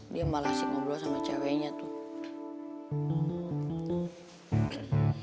dia malah ngobrol sama ceweknya tuh